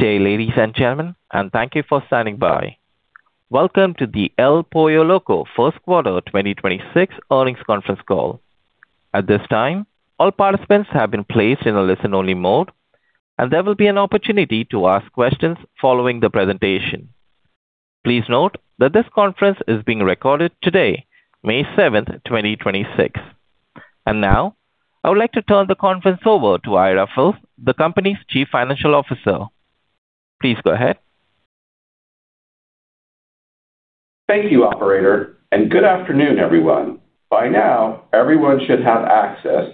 Good day, ladies and gentlemen, and thank you for standing by. Welcome to the El Pollo Loco first quarter 2026 earnings conference call. At this time, all participants have been placed in a listen-only mode, and there will be an opportunity to ask questions following the presentation. Please note that this conference is being recorded today, May 7th, 2026. Now, I would like to turn the conference over to Ira Fils, the company's Chief Financial Officer. Please go ahead. Thank you, operator, and good afternoon, everyone. By now, everyone should have access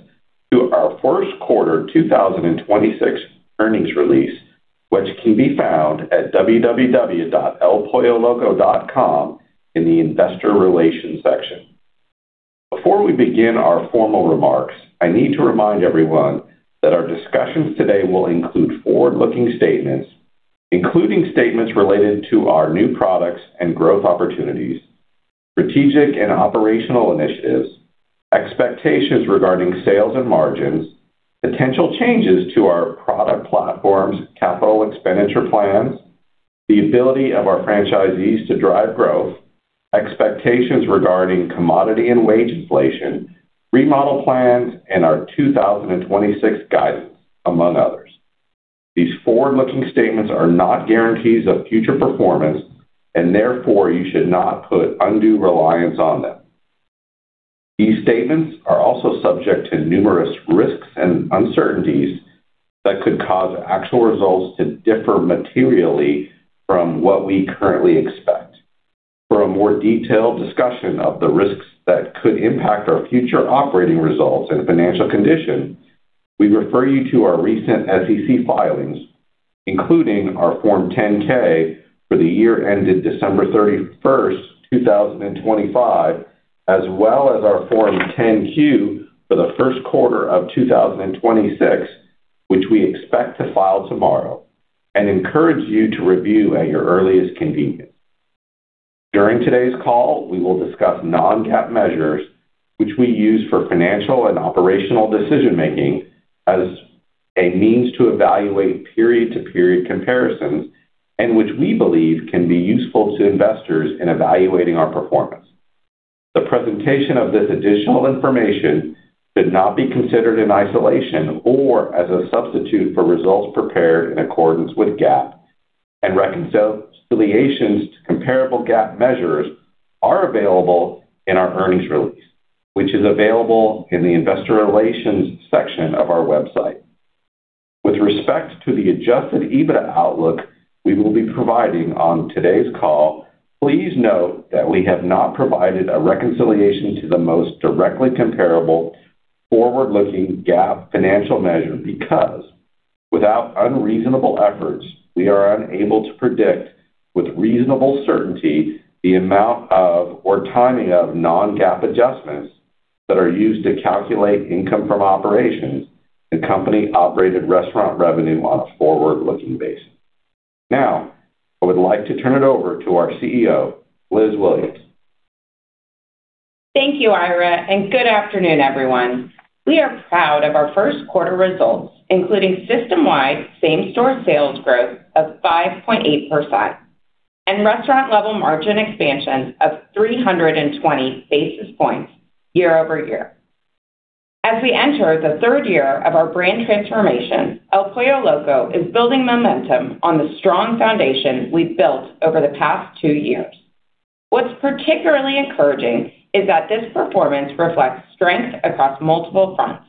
to our first quarter 2026 earnings release, which can be found at www.elpolloloco.com in the investor relations section. Before we begin our formal remarks, I need to remind everyone that our discussions today will include forward-looking statements, including statements related to our new products and growth opportunities, strategic and operational initiatives, expectations regarding sales and margins, potential changes to our product platforms, capital expenditure plans, the ability of our franchisees to drive growth, expectations regarding commodity and wage inflation, remodel plans, and our 2026 guidance, among others. These forward-looking statements are not guarantees of future performance, and therefore, you should not put undue reliance on them. These statements are also subject to numerous risks and uncertainties that could cause actual results to differ materially from what we currently expect. For a more detailed discussion of the risks that could impact our future operating results and financial condition, we refer you to our recent SEC filings, including our Form 10-K for the year ended December 31st, 2025, as well as our Form 10-Q for the first quarter of 2026, which we expect to file tomorrow and encourage you to review at your earliest convenience. During today's call, we will discuss non-GAAP measures which we use for financial and operational decision-making as a means to evaluate period-to-period comparisons and which we believe can be useful to investors in evaluating our performance. The presentation of this additional information should not be considered in isolation or as a substitute for results prepared in accordance with GAAP and reconciliations to comparable GAAP measures are available in our earnings release, which is available in the investor relations section of our website. With respect to the adjusted EBITDA outlook we will be providing on today's call, please note that we have not provided a reconciliation to the most directly comparable forward-looking GAAP financial measure because without unreasonable efforts, we are unable to predict with reasonable certainty the amount of or timing of non-GAAP adjustments that are used to calculate income from operations and company-operated restaurant revenue on a forward-looking basis. Now, I would like to turn it over to our CEO, Liz Williams. Thank you, Ira. Good afternoon, everyone. We are proud of our first quarter results, including system-wide same-store sales growth of 5.8% and restaurant-level margin expansion of 320 basis points year-over-year. As we enter the third year of our brand transformation, El Pollo Loco is building momentum on the strong foundation we've built over the past two years. What's particularly encouraging is that this performance reflects strength across multiple fronts.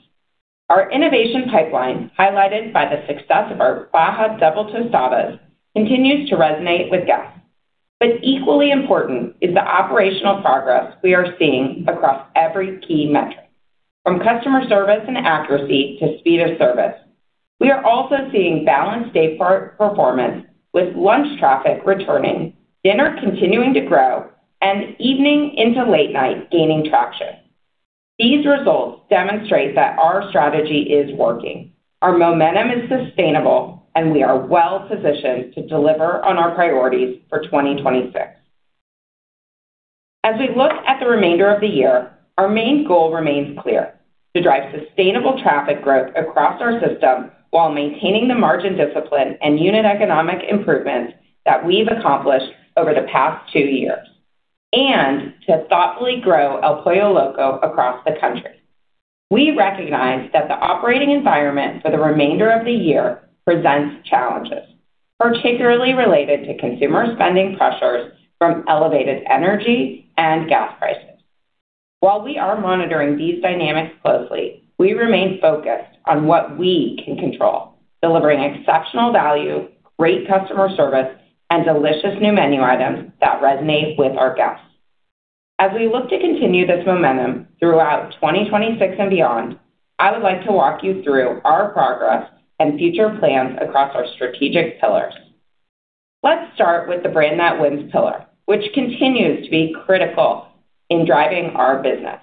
Our innovation pipeline, highlighted by the success of our Baja Double Tostadas, continues to resonate with guests. Equally important is the operational progress we are seeing across every key metric, from customer service and accuracy to speed of service. We are also seeing balanced daypart performance with lunch traffic returning, dinner continuing to grow, and evening into late night gaining traction. These results demonstrate that our strategy is working, our momentum is sustainable, and we are well-positioned to deliver on our priorities for 2026. As we look at the remainder of the year, our main goal remains clear: to drive sustainable traffic growth across our system while maintaining the margin discipline and unit economic improvement that we've accomplished over the past two years and to thoughtfully grow El Pollo Loco across the country. We recognize that the operating environment for the remainder of the year presents challenges, particularly related to consumer spending pressures from elevated energy and gas prices. While we are monitoring these dynamics closely, we remain focused on what we can control, delivering exceptional value, great customer service, and delicious new menu items that resonate with our guests. As we look to continue this momentum throughout 2026 and beyond, I would like to walk you through our progress and future plans across our strategic pillars. Let's start with the Brand that Wins pillar, which continues to be critical in driving our business.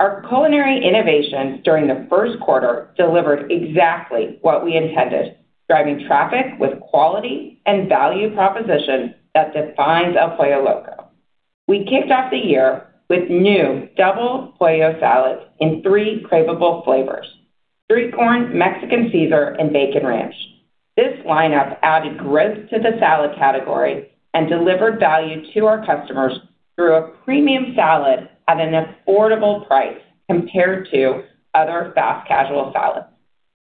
Our culinary innovations during the first quarter delivered exactly what we intended, driving traffic with quality and value proposition that defines El Pollo Loco. We kicked off the year with new Double Pollo Salad in three cravable flavors: Street Corn, Mexican Caesar, and Bacon Ranch. This lineup added grit to the salad category and delivered value to our customers through a premium salad at an affordable price compared to other fast casual salads.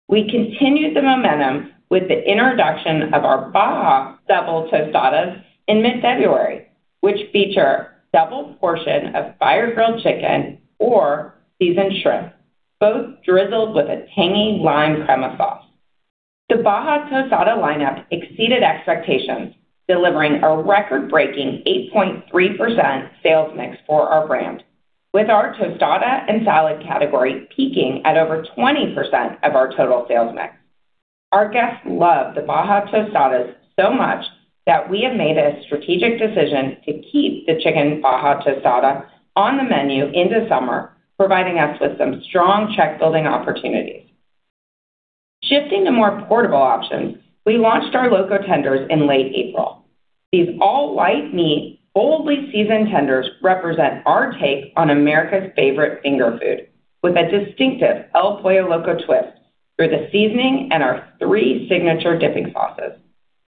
We continued the momentum with the introduction of our Baja Double Tostadas in mid-February, which feature double portion of fire-grilled chicken or seasoned shrimp, both drizzled with a tangy lime crema sauce. The Baja Tostada lineup exceeded expectations, delivering a record-breaking 8.3% sales mix for our brand, with our tostada and salad category peaking at over 20% of our total sales mix. Our guests love the Baja Tostadas so much that we have made a strategic decision to keep the chicken Baja Tostada on the menu into summer, providing us with some strong check-building opportunities. Shifting to more portable options, we launched our Loco Tenders in late April. These all-white meat, boldly seasoned tenders represent our take on America's favorite finger food with a distinctive El Pollo Loco twist through the seasoning and our three signature dipping sauces: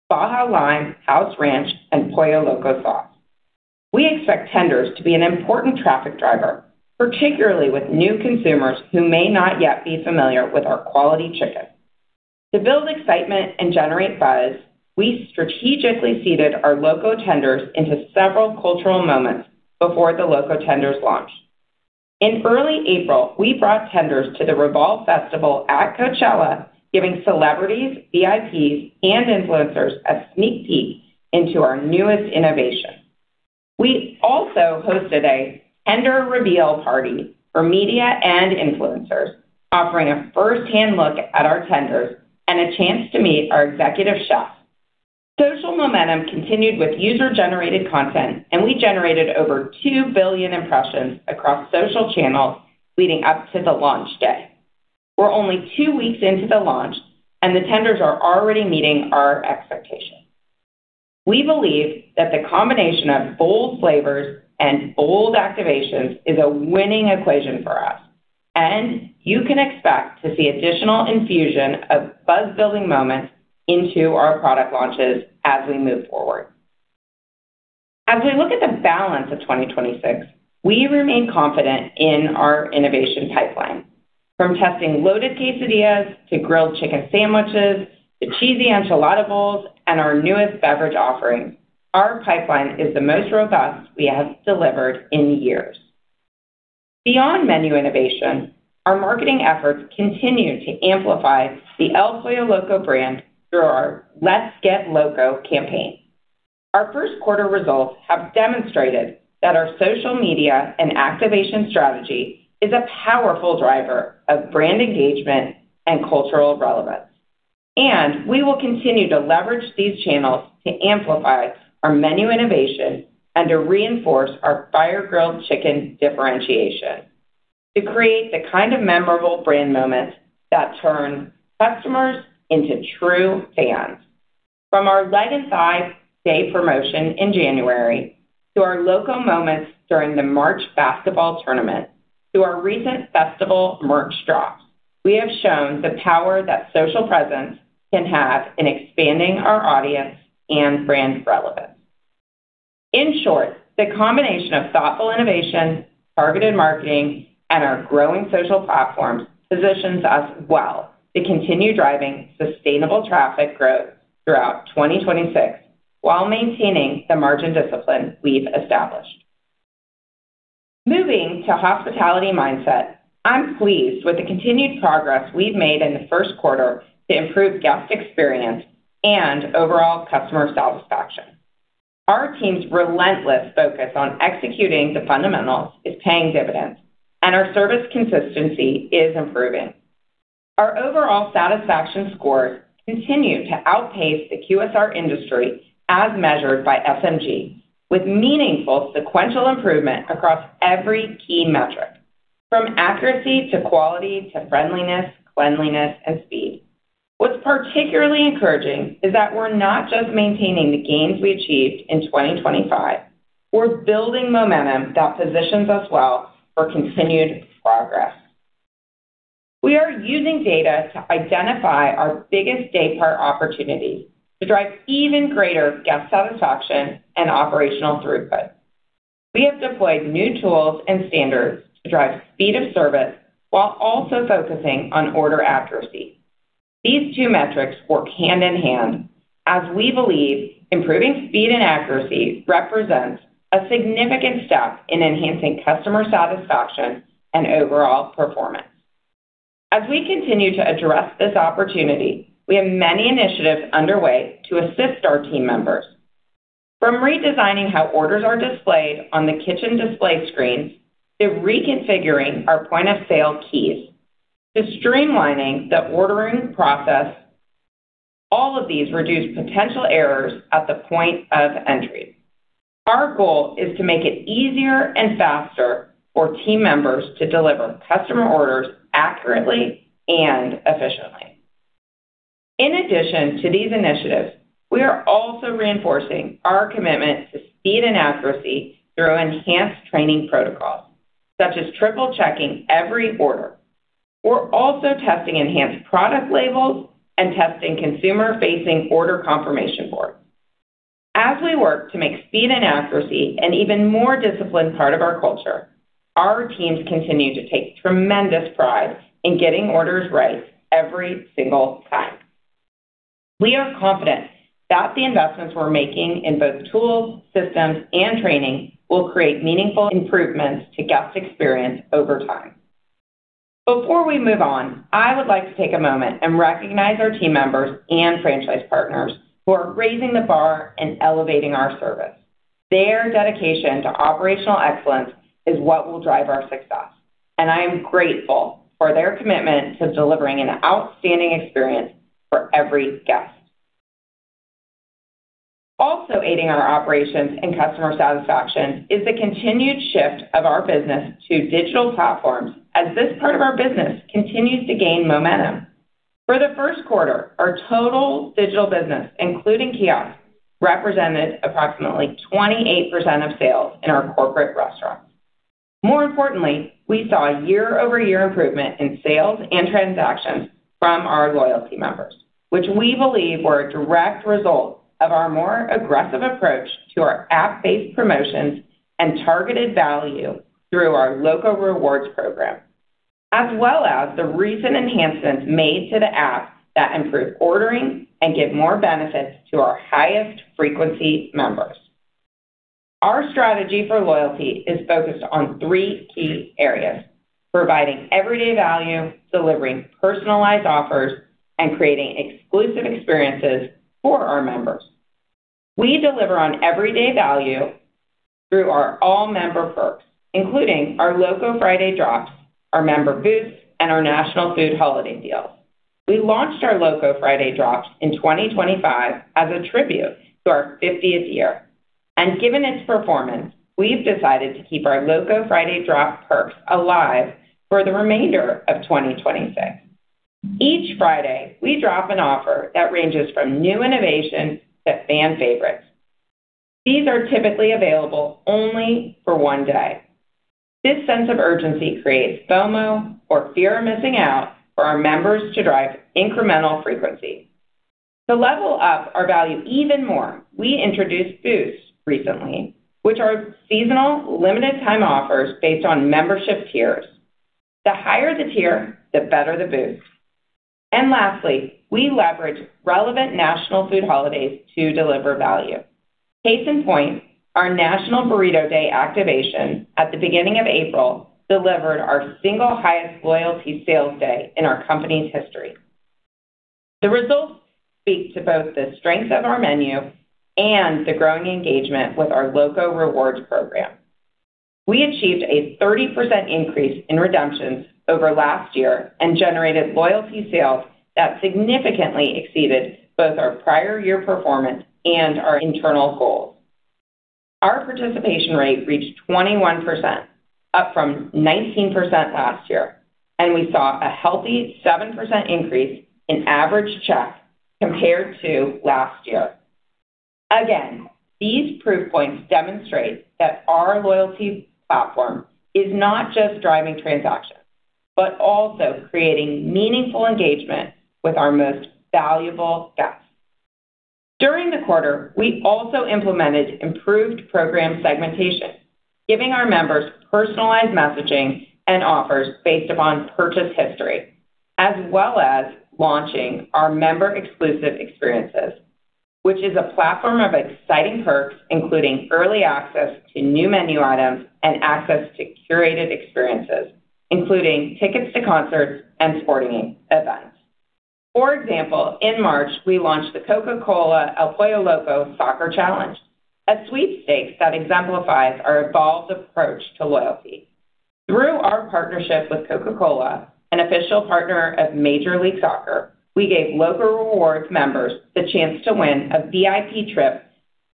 Baja Lime, House Ranch, and Pollo Loco Sauce. We expect tenders to be an important traffic driver, particularly with new consumers who may not yet be familiar with our quality chicken. To build excitement and generate buzz, we strategically seeded our Loco Tenders into several cultural moments before the Loco Tenders launch. In early April, we brought tenders to the REVOLVE Festival at Coachella, giving celebrities, VIPs, and influencers a sneak peek into our newest innovation. We also hosted a tender reveal party for media and influencers, offering a first-hand look at our tenders and a chance to meet our executive chef. Social momentum continued with user-generated content, and we generated over 2 billion impressions across social channels leading up to the launch day. We're only two weeks into the launch, and the tenders are already meeting our expectations. We believe that the combination of bold flavors and bold activations is a winning equation for us, and you can expect to see additional infusion of buzz-building moments into our product launches as we move forward. As we look at the balance of 2026, we remain confident in our innovation pipeline. From testing loaded quesadillas to grilled chicken sandwiches, to cheesy enchilada bowls, and our newest beverage offering, our pipeline is the most robust we have delivered in years. Beyond menu innovation, our marketing efforts continue to amplify the El Pollo Loco brand through our Let's Get Loco campaign. Our first quarter results have demonstrated that our social media and activation strategy is a powerful driver of brand engagement and cultural relevance. We will continue to leverage these channels to amplify our menu innovation and to reinforce our fire-grilled chicken differentiation, to create the kind of memorable brand moments that turn customers into true fans. From our Leg and Thigh Day promotion in January to our Loco Moments during the March basketball tournament to our recent festival merch drop, we have shown the power that social presence can have in expanding our audience and brand relevance. In short, the combination of thoughtful innovation, targeted marketing, and our growing social platforms positions us well to continue driving sustainable traffic growth throughout 2026 while maintaining the margin discipline we've established. Moving to hospitality mindset, I'm pleased with the continued progress we've made in the first quarter to improve guest experience and overall customer satisfaction. Our team's relentless focus on executing the fundamentals is paying dividends, and our service consistency is improving. Our overall satisfaction scores continue to outpace the QSR industry as measured by SMG, with meaningful sequential improvement across every key metric from accuracy to quality to friendliness, cleanliness, and speed. What's particularly encouraging is that we're not just maintaining the gains we achieved in 2025. We're building momentum that positions us well for continued progress. We are using data to identify our biggest daypart opportunities to drive even greater guest satisfaction and operational throughput. We have deployed new tools and standards to drive speed of service while also focusing on order accuracy. These two metrics work hand in hand as we believe improving speed and accuracy represents a significant step in enhancing customer satisfaction and overall performance. As we continue to address this opportunity, we have many initiatives underway to assist our team members. From redesigning how orders are displayed on the kitchen display screens to reconfiguring our point-of-sale keys to streamlining the ordering process, all of these reduce potential errors at the point of entry. Our goal is to make it easier and faster for team members to deliver customer orders accurately and efficiently. In addition to these initiatives, we are also reinforcing our commitment to speed and accuracy through enhanced training protocols, such as triple-checking every order. We're also testing enhanced product labels and testing consumer-facing order confirmation boards. As we work to make speed and accuracy an even more disciplined part of our culture, our teams continue to take tremendous pride in getting orders right every single time. We are confident that the investments we're making in both tools, systems, and training will create meaningful improvements to guest experience over time. Before we move on, I would like to take a moment and recognize our team members and franchise partners who are raising the bar and elevating our service. Their dedication to operational excellence is what will drive our success, and I am grateful for their commitment to delivering an outstanding experience for every guest. Also aiding our operations and customer satisfaction is the continued shift of our business to digital platforms as this part of our business continues to gain momentum. For the first quarter, our total digital business, including kiosks, represented approximately 28% of sales in our corporate restaurants. More importantly, we saw year-over-year improvement in sales and transactions from our loyalty members, which we believe were a direct result of our more aggressive approach to our app-based promotions and targeted value through our Loco Rewards program. As well as the recent enhancements made to the app that improve ordering and give more benefits to our highest frequency members. Our strategy for loyalty is focused on three key areas: providing everyday value, delivering personalized offers, and creating exclusive experiences for our members. We deliver on everyday value through our all-member perks, including our Loco Friday Drops, our member boosts, and our national food holiday deals. We launched our Loco Friday Drops in 2025 as a tribute to our 50th year, and given its performance, we've decided to keep our Loco Friday Drop perks alive for the remainder of 2026. Each Friday, we drop an offer that ranges from new innovations to fan favorites. These are typically available only for one day. This sense of urgency creates FOMO, or fear of missing out, for our members to drive incremental frequency. To level up our value even more, we introduced boosts recently, which are seasonal, limited-time offers based on membership tiers. The higher the tier, the better the boost. Lastly, we leverage relevant national food holidays to deliver value. Case in point, our National Burrito Day activation at the beginning of April delivered our single highest loyalty sales day in our company's history. The results speak to both the strength of our menu and the growing engagement with our Loco Rewards program. We achieved a 30% increase in redemptions over last year and generated loyalty sales that significantly exceeded both our prior year performance and our internal goals. Our participation rate reached 21%, up from 19% last year, and we saw a healthy 7% increase in average check compared to last year. These proof points demonstrate that our loyalty platform is not just driving transactions, but also creating meaningful engagement with our most valuable guests. During the quarter, we also implemented improved program segmentation, giving our members personalized messaging and offers based upon purchase history, as well as launching our member exclusive experiences, which is a platform of exciting perks, including early access to new menu items and access to curated experiences, including tickets to concerts and sporting events. For example, in March, we launched the Coca-Cola x El Pollo Loco Soccer Challenge, a sweepstakes that exemplifies our evolved approach to loyalty. Through our partnership with Coca-Cola, an official partner of Major League Soccer, we gave Loco Rewards members the chance to win a VIP trip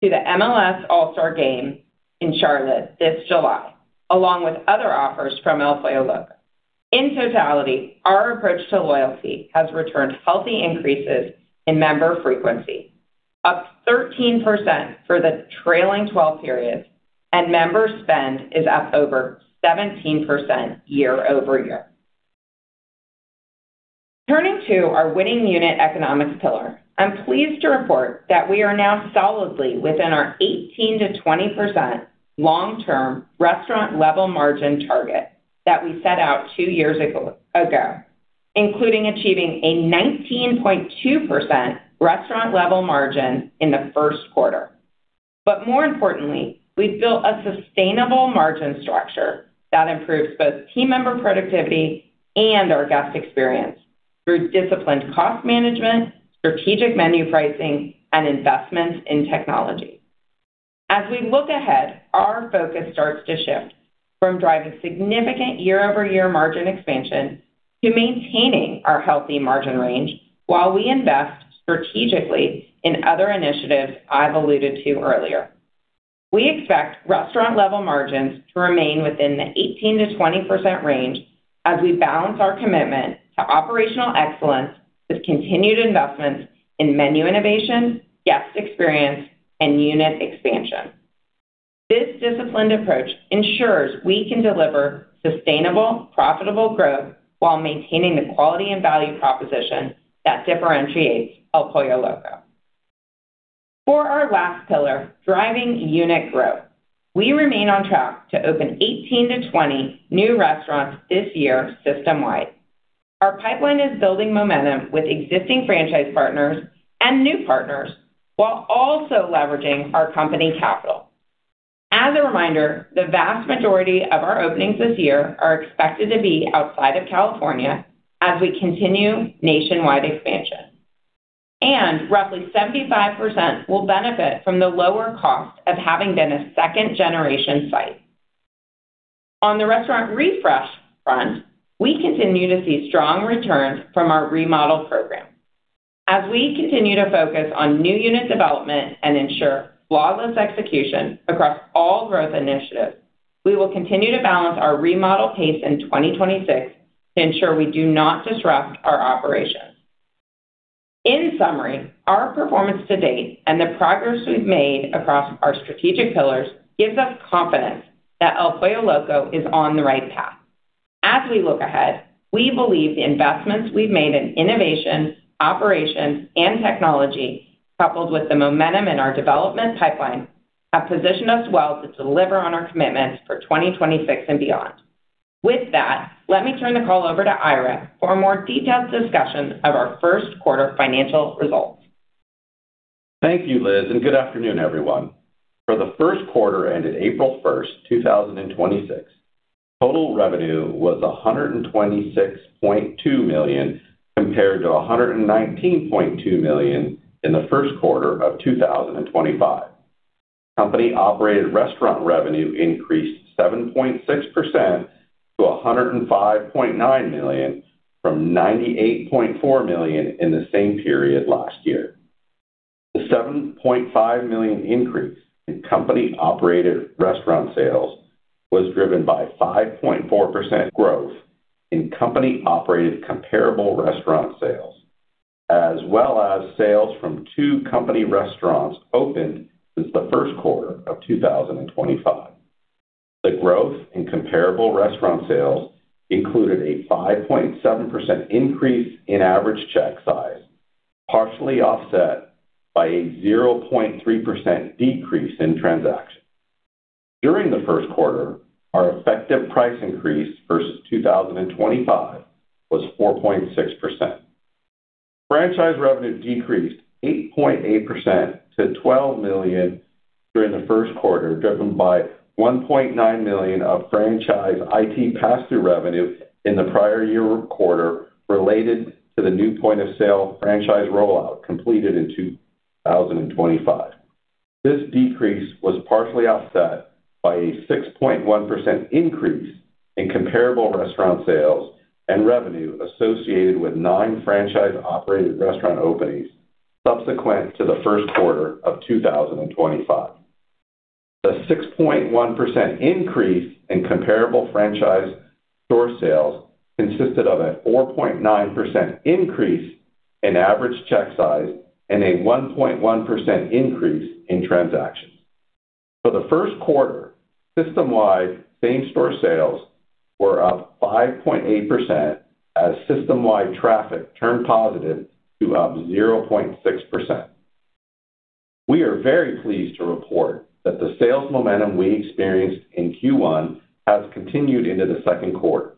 to the MLS All-Star Game in Charlotte this July, along with other offers from El Pollo Loco. In totality, our approach to loyalty has returned healthy increases in member frequency, up 13% for the trailing 12-period, and member spend is up over 17% year-over-year. Turning to our Winning Unit Economics pillar, I'm pleased to report that we are now solidly within our 18%-20% long-term restaurant-level margin target that we set out two years ago, including achieving a 19.2% restaurant-level margin in the first quarter. More importantly, we've built a sustainable margin structure that improves both team member productivity and our guest experience through disciplined cost management, strategic menu pricing, and investments in technology. As we look ahead, our focus starts to shift from driving significant year-over-year margin expansion to maintaining our healthy margin range while we invest strategically in other initiatives I've alluded to earlier. We expect restaurant-level margins to remain within the 18%-20% range as we balance our commitment to operational excellence with continued investments in menu innovation, guest experience, and unit expansion. This disciplined approach ensures we can deliver sustainable, profitable growth while maintaining the quality and value proposition that differentiates El Pollo Loco. For our last pillar, driving unit growth, we remain on track to open 18-20 new restaurants this year system-wide. Our pipeline is building momentum with existing franchise partners and new partners while also leveraging our company capital. As a reminder, the vast majority of our openings this year are expected to be outside of California as we continue nationwide expansion, and roughly 75% will benefit from the lower cost of having been a second-generation site. On the restaurant refresh front, we continue to see strong returns from our remodel program. As we continue to focus on new unit development and ensure flawless execution across all growth initiatives, we will continue to balance our remodel pace in 2026 to ensure we do not disrupt our operations. In summary, our performance to date and the progress we've made across our strategic pillars gives us confidence that El Pollo Loco is on the right path. As we look ahead, we believe the investments we've made in innovation, operations, and technology, coupled with the momentum in our development pipeline, have positioned us well to deliver on our commitments for 2026 and beyond. With that, let me turn the call over to Ira for a more detailed discussion of our first quarter financial results. Thank you, Liz, and good afternoon, everyone. For the first quarter ended April 1st, 2026, total revenue was $126.2 million, compared to $119.2 million in the first quarter of 2025. Company-operated restaurant revenue increased 7.6% to $105.9 million from $98.4 million in the same period last year. The $7.5 million increase in company-operated restaurant sales was driven by 5.4% growth in company-operated comparable restaurant sales, as well as sales from two company restaurants opened since the first quarter of 2025. The growth in comparable restaurant sales included a 5.7% increase in average check size, partially offset by a 0.3% decrease in transactions. During the first quarter, our effective price increase versus 2025 was 4.6%. Franchise revenue decreased 8.8% to $12 million during the first quarter, driven by $1.9 million of franchise IT pass-through revenue in the prior year quarter related to the new point-of-sale franchise rollout completed in 2025. This decrease was partially offset by a 6.1% increase in comparable restaurant sales and revenue associated with nine franchise-operated restaurant openings subsequent to the first quarter of 2025. The 6.1% increase in comparable franchise store sales consisted of a 4.9% increase in average check size and a 1.1% increase in transactions. For the first quarter, system-wide same-store sales were up 5.8% as system-wide traffic turned positive to up 0.6%. We are very pleased to report that the sales momentum we experienced in Q1 has continued into the second quarter.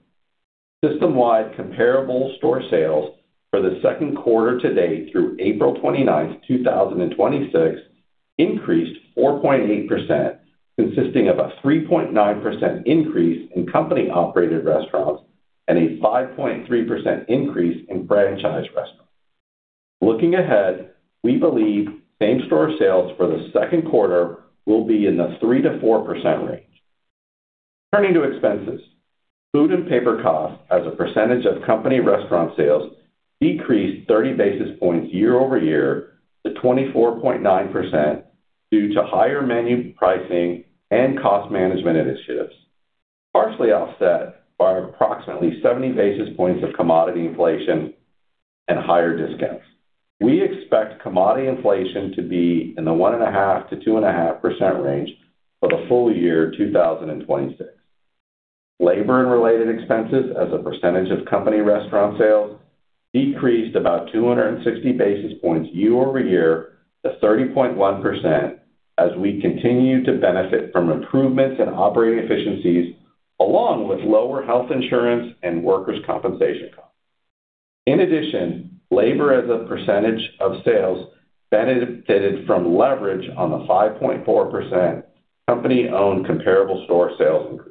System-wide comparable store sales for the second quarter to date through April 29, 2026 increased 4.8%, consisting of a 3.9% increase in company-operated restaurants and a 5.3% increase in franchise restaurants. Looking ahead, we believe same-store sales for the second quarter will be in the 3%-4% range. Turning to expenses, food and paper costs as a percentage of company restaurant sales decreased 30 basis points year-over-year to 24.9% due to higher menu pricing and cost management initiatives, partially offset by approximately 70 basis points of commodity inflation and higher discounts. We expect commodity inflation to be in the 1.5%-2.5% range for the full year 2026. Labor and related expenses as a percentage of company restaurant sales decreased about 260 basis points year-over-year to 30.1% as we continue to benefit from improvements in operating efficiencies along with lower health insurance and workers' compensation costs. In addition, labor as a percentage of sales benefited from leverage on the 5.4% company-owned comparable store sales increase.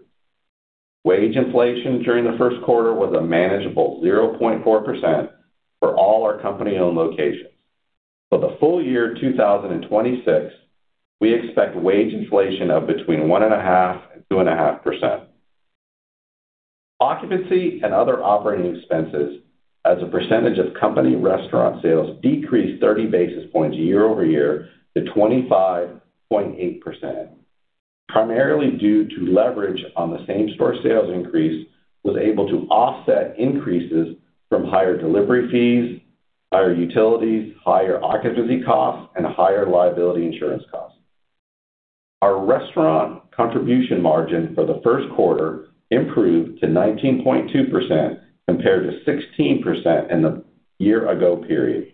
Wage inflation during the first quarter was a manageable 0.4% for all our company-owned locations. For the full year 2026, we expect wage inflation of between 1.5%-2.5%. Occupancy and other operating expenses as a percentage of company restaurant sales decreased 30 basis points year-over-year to 25.8%, primarily due to leverage on the same-store sales increase was able to offset increases from higher delivery fees, higher utilities, higher occupancy costs, and higher liability insurance costs. Our restaurant contribution margin for the first quarter improved to 19.2% compared to 16% in the year-ago period.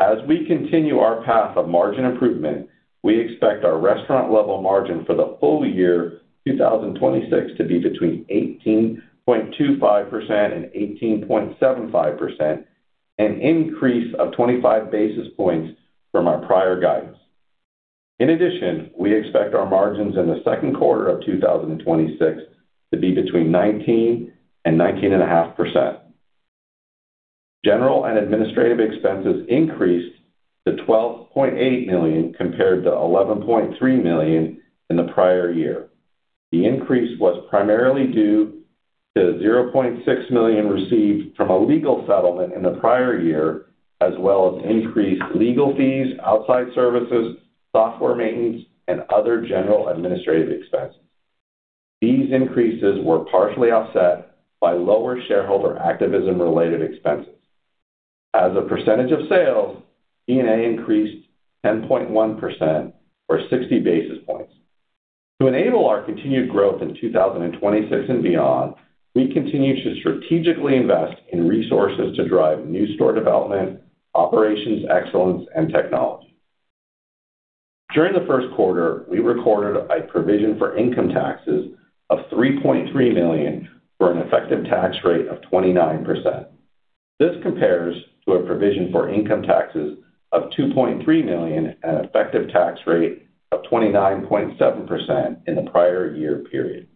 As we continue our path of margin improvement, we expect our restaurant level margin for the full year 2026 to be between 18.25% and 18.75%, an increase of 25 basis points from our prior guidance. In addition, we expect our margins in the second quarter of 2026 to be between 19% and 19.5%. General and administrative expenses increased to $12.8 million compared to $11.3 million in the prior year. The increase was primarily due to $0.6 million received from a legal settlement in the prior year, as well as increased legal fees, outside services, software maintenance, and other general administrative expenses. These increases were partially offset by lower shareholder activism-related expenses. As a percentage of sales, G&A increased 10.1% or 60 basis points. To enable our continued growth in 2026 and beyond, we continue to strategically invest in resources to drive new store development, operations excellence, and technology. During the first quarter, we recorded a provision for income taxes of $3.3 million, for an effective tax rate of 29%. This compares to a provision for income taxes of $2.3 million at an effective tax rate of 29.7% in the prior year period.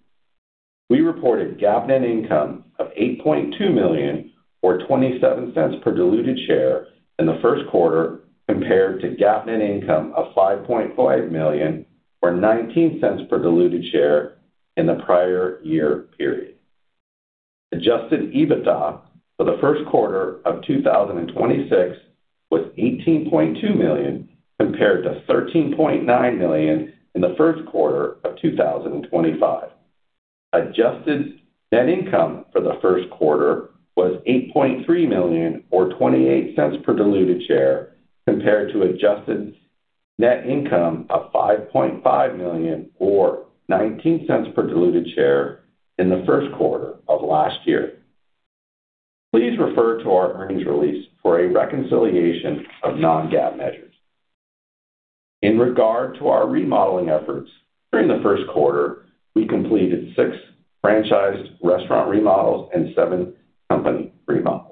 We reported GAAP net income of $8.2 million or $0.27 per diluted share in the first quarter, compared to GAAP net income of $5.5 million or $0.19 per diluted share in the prior year period. Adjusted EBITDA for the first quarter of 2026 was $18.2 million compared to $13.9 million in the first quarter of 2025. Adjusted net income for the first quarter was $8.3 million or $0.28 per diluted share compared to adjusted net income of $5.5 million or $0.19 per diluted share in the first quarter of last year. Please refer to our earnings release for a reconciliation of non-GAAP measures. In regard to our remodeling efforts, during the first quarter, we completed six franchised restaurant remodels and seven company remodels.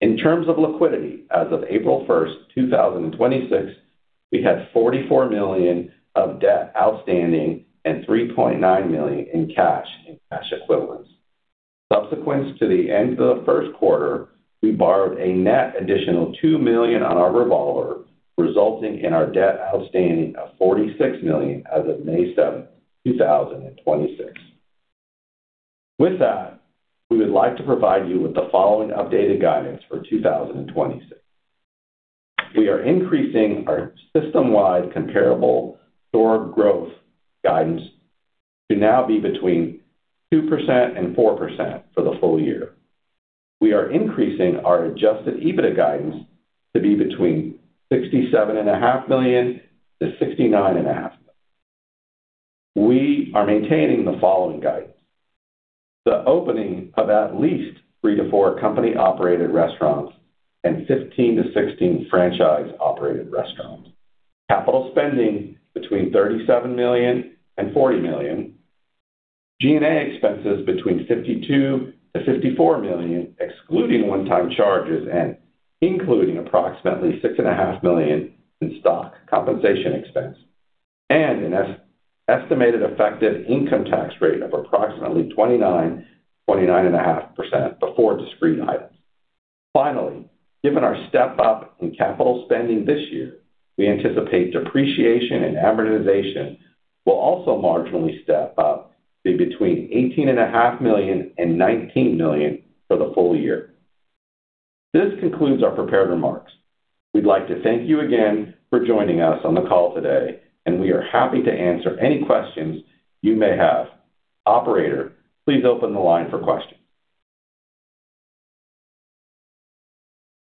In terms of liquidity, as of April 1st, 2026, we had $44 million of debt outstanding and $3.9 million in cash and cash equivalents. Subsequent to the end of the first quarter, we borrowed a net additional $2 million on our revolver, resulting in our debt outstanding of $46 million as of May 7th, 2026. With that, we would like to provide you with the following updated guidance for 2026. We are increasing our system-wide comparable store growth guidance to now be between 2%-4% for the full year. We are increasing our adjusted EBITDA guidance to be between $67.5 million-$69.5 million. We are maintaining the following guidance. The opening of at least three to four company-operated restaurants and 15-16 franchise-operated restaurants. Capital spending between $37 million and $40 million. G&A expenses between $52 million-$54 million, excluding one-time charges and including approximately $6.5 million in stock compensation expense. An estimated effective income tax rate of approximately 29%, 29.5% before discrete items. Finally, given our step-up in capital spending this year, we anticipate depreciation and amortization will also marginally step up to between $18.5 million and $19 million for the full year. This concludes our prepared remarks. We'd like to thank you again for joining us on the call today, and we are happy to answer any questions you may have. Operator, please open the line for questions.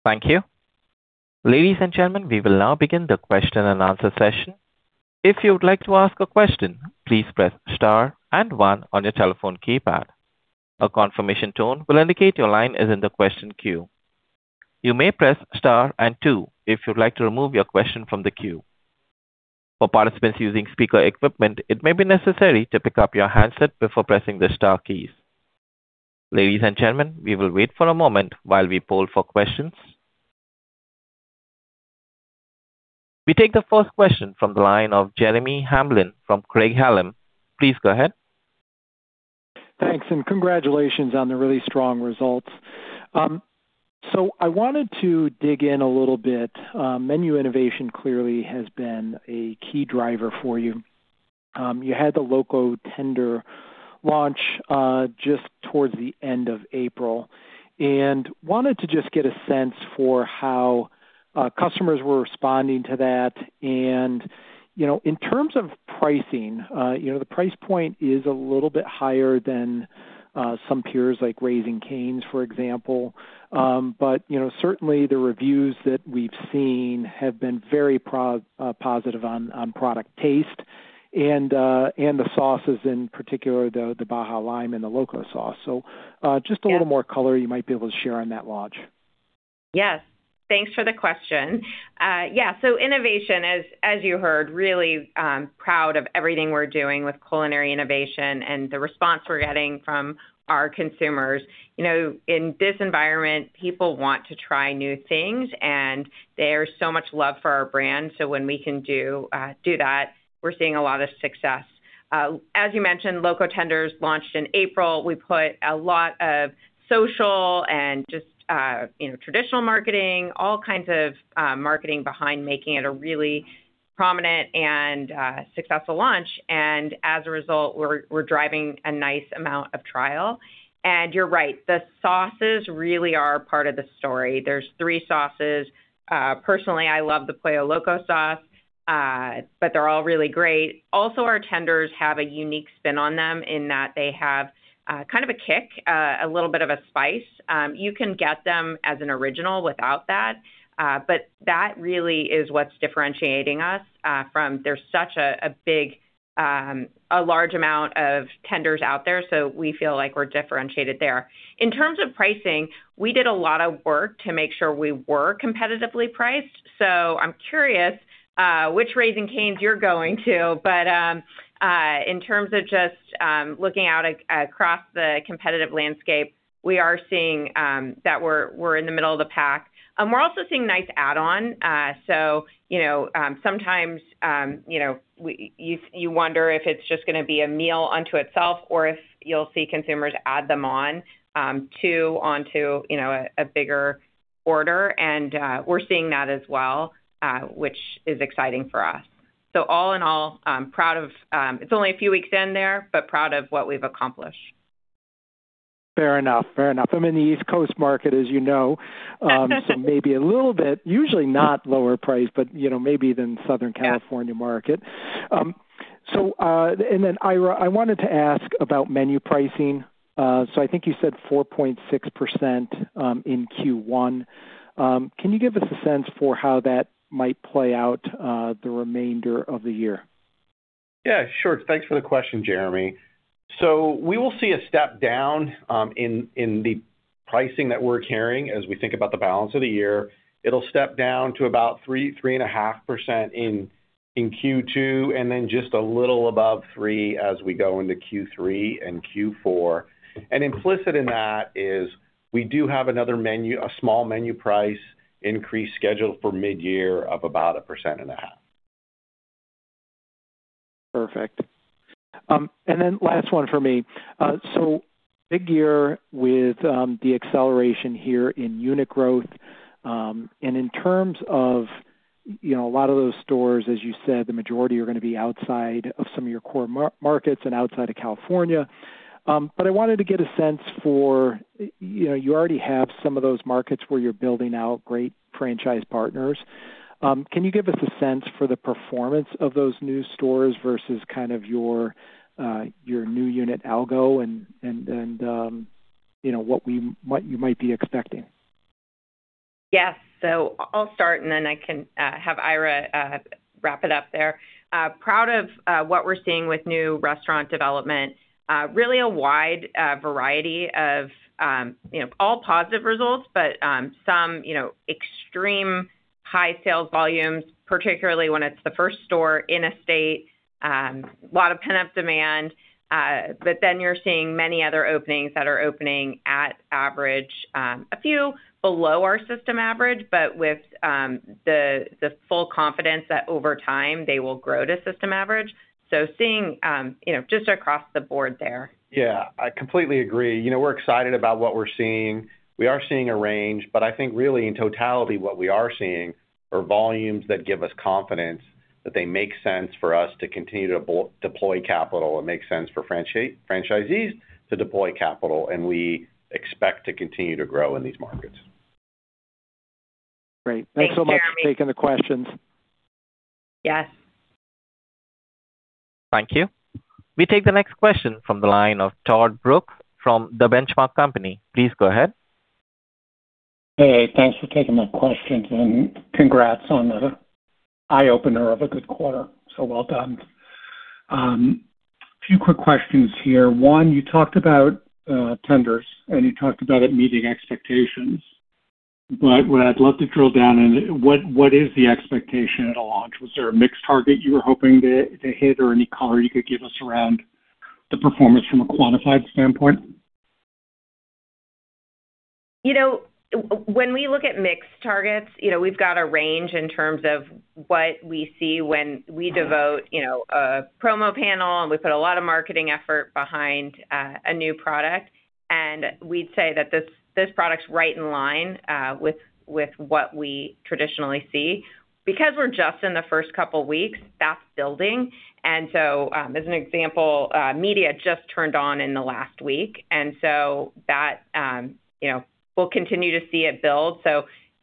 Thank you. Ladies and gentlemen, we will now begin the question and answer session. If you would like to ask a question, please press star and one on your telephone keypad. A confirmation tone will indicate your line is in the question queue. You may press star and two if you'd like to remove your question from the queue. For participants using speaker equipment, it may be necessary to pick up your handset before pressing the star keys. Ladies and gentlemen, we will wait for a moment while we poll for questions. We take the first question from the line of Jeremy Hamblin from Craig-Hallum. Please go ahead. Thanks. Congratulations on the really strong results. I wanted to dig in a little bit. Menu innovation clearly has been a key driver for you. You had the Loco Tender launch just towards the end of April, and wanted to just get a sense for how customers were responding to that. You know, in terms of pricing, you know, the price point is a little bit higher than some peers, like Raising Cane's, for example. You know, certainly the reviews that we've seen have been very positive on product taste and the sauces in particular, the Baja Lime and the Loco Sauce. Yeah. Just a little more color you might be able to share on that launch. Yes. Thanks for the question. Yeah, innovation is, as you heard, really proud of everything we're doing with culinary innovation and the response we're getting from our consumers. You know, in this environment, people want to try new things, and there's so much love for our brand. When we can do that, we're seeing a lot of success. As you mentioned, Loco Tenders launched in April. We put a lot of social and just, you know, traditional marketing, all kinds of marketing behind making it a really prominent and successful launch. As a result, we're driving a nice amount of trial. You're right, the sauces really are part of the story. There's three sauces. Personally, I love the Pollo Loco Sauce, but they're all really great. Also our tenders have a unique spin on them in that they have, kind of a kick, a little bit of a spice. You can get them as an original without that, but that really is what's differentiating us from there's such a big, a large amount of tenders out there, so we feel like we're differentiated there. In terms of pricing, we did a lot of work to make sure we were competitively priced. I'm curious which Raising Cane's you're going to, but in terms of just looking out across the competitive landscape, we are seeing that we're in the middle of the pack. We're also seeing nice add-on. You know, sometimes, you know, you wonder if it's just gonna be a meal unto itself or if you'll see consumers add them onto, you know, a bigger order. We're seeing that as well, which is exciting for us. All in all, it's only a few weeks in there, but proud of what we've accomplished. Fair enough. Fair enough. I'm in the East Coast market, as you know. Maybe a little bit, usually not lower price, but, you know, maybe than Southern California market. Then, Ira, I wanted to ask about menu pricing. I think you said 4.6% in Q1. Can you give us a sense for how that might play out the remainder of the year? Yeah, sure. Thanks for the question, Jeremy. We will see a step down in the pricing that we're carrying as we think about the balance of the year. It'll step down to about 3%, 3.5% in Q2, and then just a little above 3% as we go into Q3 and Q4. Implicit in that is we do have another menu, a small menu price increase scheduled for midyear of about 1.5%. Perfect. Last one for me. Big year with the acceleration here in unit growth. In terms of, you know, a lot of those stores, as you said, the majority are gonna be outside of some of your core markets and outside of California. I wanted to get a sense for, you know, you already have some of those markets where you're building out great franchise partners. Can you give us a sense for the performance of those new stores versus kind of your new unit algo, you know, what you might be expecting? Yes. I'll start, and then I can have Ira wrap it up there. Proud of what we're seeing with new restaurant development. Really a wide variety of, you know, all positive results, but some, you know, extreme high sales volumes, particularly when it's the first store in a state. Lot of pent-up demand, you're seeing many other openings that are opening at average, a few below our system average, but with the full confidence that over time, they will grow to system average. Seeing, you know, just across the board there. Yeah, I completely agree. You know, we're excited about what we're seeing. We are seeing a range, but I think really in totality, what we are seeing are volumes that give us confidence that they make sense for us to continue to deploy capital. It makes sense for franchisees to deploy capital, and we expect to continue to grow in these markets. Great. Thanks, Jeremy. Thanks so much for taking the questions. Yes. Thank you. We take the next question from the line of Todd Brooks from the Benchmark Company. Please go ahead. Thanks for taking my questions, congrats on the eye-opener of a good quarter. Well done. A few quick questions here. One, you talked about tenders, you talked about it meeting expectations. What I'd love to drill down in, what is the expectation at a launch? Was there a mixed target you were hoping to hit, any color you could give us around the performance from a quantified standpoint? You know, when we look at mix targets, you know, we've got a range in terms of what we see when we devote, you know, a promo panel, and we put a lot of marketing effort behind a new product. We'd say that this product's right in line with what we traditionally see. Because we're just in the first couple weeks, that's building. As an example, media just turned on in the last week, that, you know, we'll continue to see it build.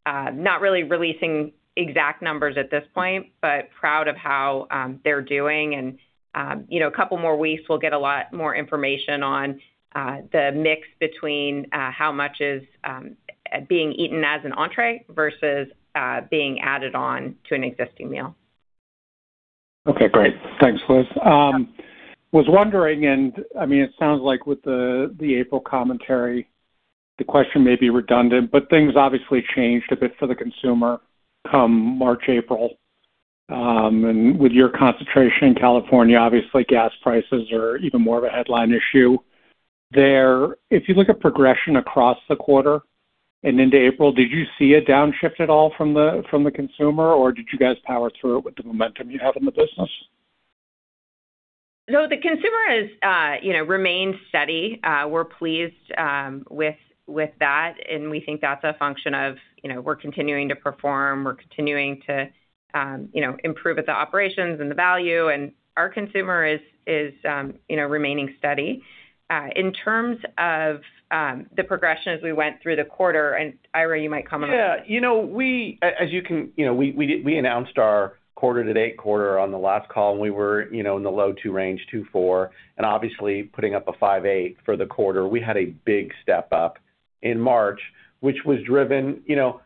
Not really releasing exact numbers at this point, but proud of how they're doing. You know, a couple more weeks, we'll get a lot more information on the mix between how much is being eaten as an entree versus being added on to an existing meal. Okay. Great. Thanks, Liz. I was wondering and, I mean, it sounds like with the April commentary, the question may be redundant, but things obviously changed a bit for the consumer come March, April. With your concentration in California, obviously gas prices are even more of a headline issue there. If you look at progression across the quarter and into April, did you see a downshift at all from the, from the consumer, or did you guys power through it with the momentum you have in the business? No, the consumer has, you know, remained steady. We're pleased with that, and we think that's a function of, you know, we're continuing to perform, we're continuing to, you know, improve at the operations and the value. Our consumer is, you know, remaining steady. In terms of the progression as we went through the quarter, and Ira, you might comment on this. Yeah. You know, as you can, you know, we announced our quarter to date, quarter on the last call. We were, you know, in the low 2% range, 2.4%, and obviously putting up a 5.8% for the quarter. We had a big step up in March, which was driven, you know,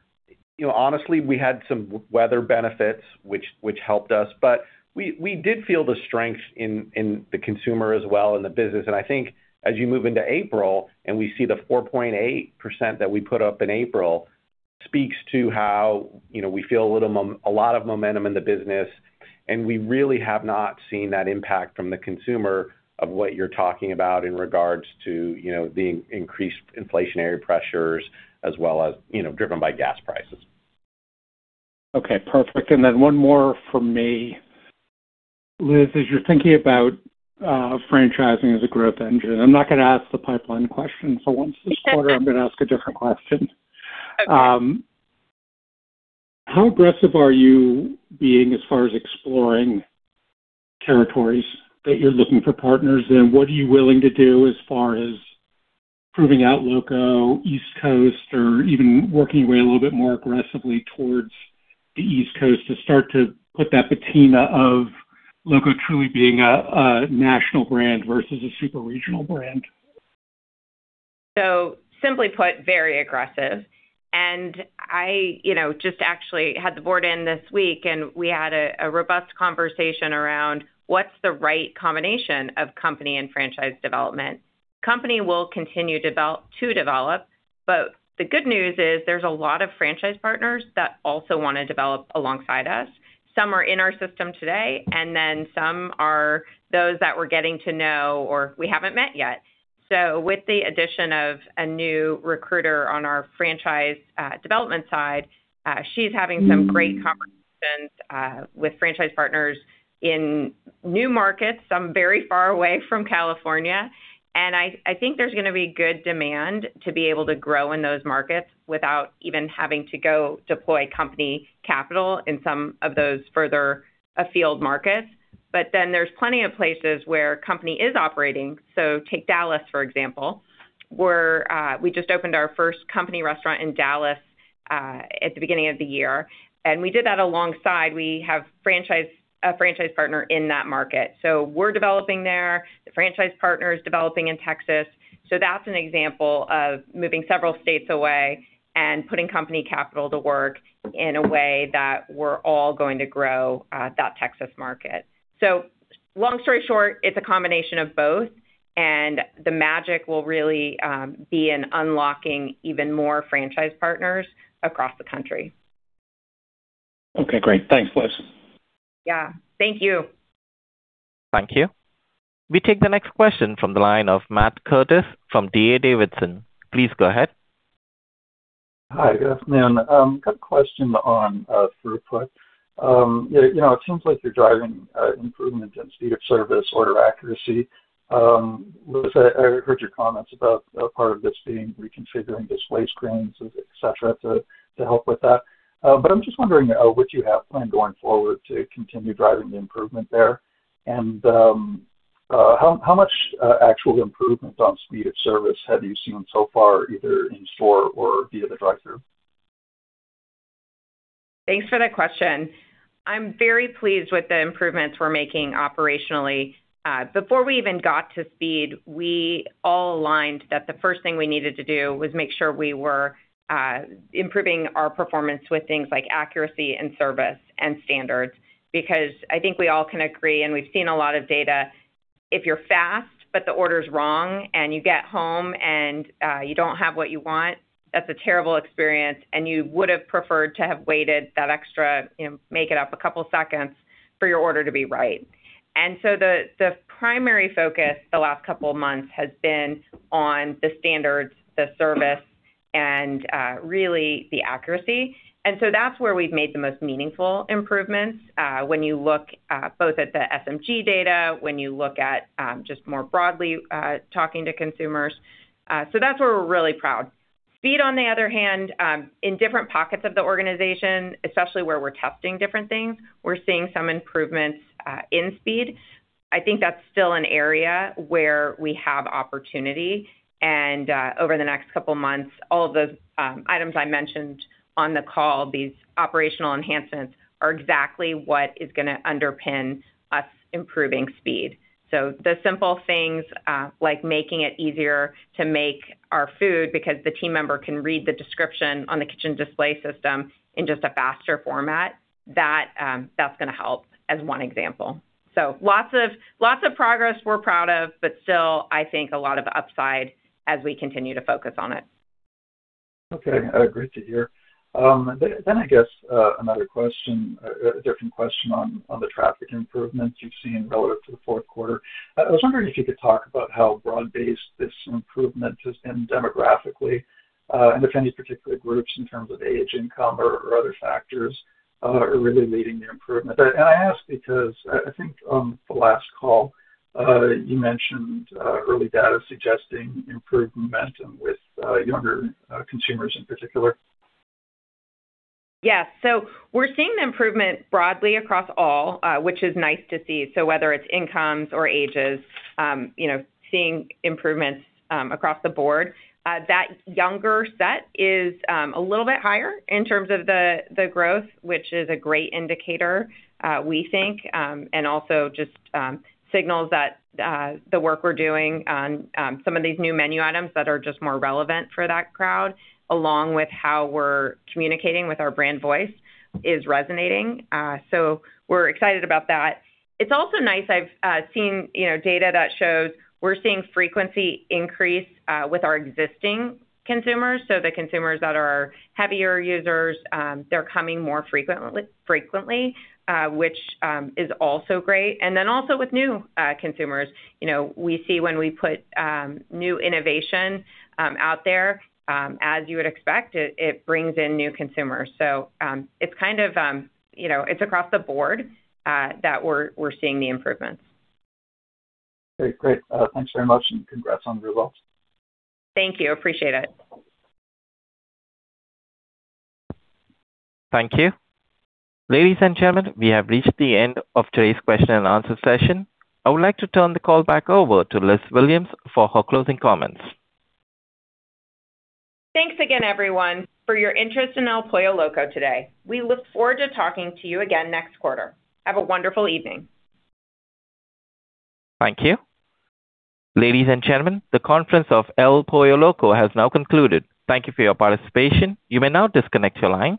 honestly, we had some weather benefits, which helped us, but we did feel the strength in the consumer as well and the business. I think as you move into April and we see the 4.8% that we put up in April speaks to how, you know, we feel a lot of momentum in the business, and we really have not seen that impact from the consumer of what you're talking about in regards to, you know, the increased inflationary pressures as well as, you know, driven by gas prices. Okay. Perfect. One more from me. Liz, as you're thinking about franchising as a growth engine, I'm not gonna ask the pipeline question. Once this quarter, I'm gonna ask a different question. Okay. How aggressive are you being as far as exploring territories that you're looking for partners in? What are you willing to do as far as proving out Loco East Coast or even working your way a little bit more aggressively towards the East Coast to start to put that patina of Loco truly being a national brand versus a super regional brand? Simply put, very aggressive. I, you know, just actually had the board in this week, and we had a robust conversation around what's the right combination of company and franchise development. Company will continue to develop, but the good news is there's a lot of franchise partners that also wanna develop alongside us. Some are in our system today, some are those that we're getting to know or we haven't met yet. With the addition of a new recruiter on our franchise development side, she's having some great conversations with franchise partners in new markets, some very far away from California. I think there's gonna be good demand to be able to grow in those markets without even having to go deploy company capital in some of those further afield markets. There's plenty of places where company is operating. Take Dallas, for example, where we just opened our first company restaurant in Dallas at the beginning of the year. We did that alongside a franchise partner in that market. We're developing there. The franchise partner is developing in Texas. That's an example of moving several states away and putting company capital to work in a way that we're all going to grow that Texas market. Long story short, it's a combination of both, and the magic will really be in unlocking even more franchise partners across the country. Okay. Great. Thanks, Liz. Yeah. Thank you. Thank you. We take the next question from the line of Matt Curtis from D.A. Davidson. Please go ahead. Hi. Good afternoon. Got a question on throughput. You know, it seems like you're driving improvement in speed of service, order accuracy. Liz, I heard your comments about part of this being reconfiguring display screens, et cetera, to help with that. I'm just wondering what you have planned going forward to continue driving the improvement there. How much actual improvement on speed of service have you seen so far, either in store or via the drive-thru? Thanks for the question. I'm very pleased with the improvements we're making operationally. Before we even got to speed, we all aligned that the first thing we needed to do was make sure we were improving our performance with things like accuracy and service and standards. I think we all can agree, and we've seen a lot of data, if you're fast but the order's wrong and you get home and you don't have what you want, that's a terrible experience, and you would have preferred to have waited that extra, you know, make it up a couple seconds for your order to be right. The primary focus the last couple of months has been on the standards, the service, and really the accuracy. That's where we've made the most meaningful improvements, when you look both at the SMG data, when you look at just more broadly talking to consumers. That's where we're really proud. Speed, on the other hand, in different pockets of the organization, especially where we're testing different things, we're seeing some improvements in speed. I think that's still an area where we have opportunity, and over the next couple months, all of those items I mentioned on the call, these operational enhancements, are exactly what is gonna underpin us improving speed. The simple things, like making it easier to make our food because the team member can read the description on the kitchen display system in just a faster format, that that's gonna help, as one example. Lots of progress we're proud of, but still, I think a lot of upside as we continue to focus on it. Okay. Great to hear. I guess a different question on the traffic improvements you've seen relative to the fourth quarter. I was wondering if you could talk about how broad-based this improvement has been demographically, and if any particular groups in terms of age, income, or other factors, are really leading the improvement. I ask because I think on the last call, you mentioned early data suggesting improved momentum with younger consumers in particular. Yeah. We're seeing the improvement broadly across all, which is nice to see. Whether it's incomes or ages, you know, seeing improvements across the board. That younger set is a little bit higher in terms of the growth, which is a great indicator, we think, and also just signals that the work we're doing on some of these new menu items that are just more relevant for that crowd, along with how we're communicating with our brand voice is resonating. We're excited about that. It's also nice. I've seen, you know, data that shows we're seeing frequency increase with our existing consumers. The consumers that are heavier users, they're coming more frequently, which is also great. Also with new consumers. You know, we see when we put new innovation out there, as you would expect, it brings in new consumers. It's kind of, you know, it's across the board that we're seeing the improvements. Great. Great. thanks very much, and congrats on the results. Thank you. Appreciate it. Thank you. Ladies and gentlemen, we have reached the end of today's question and answer session. I would like to turn the call back over to Liz Williams for her closing comments. Thanks again, everyone, for your interest in El Pollo Loco today. We look forward to talking to you again next quarter. Have a wonderful evening. Thank you. Ladies and gentlemen, the conference of El Pollo Loco has now concluded. Thank you for your participation. You may now disconnect your line.